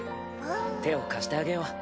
手を貸してあげよう。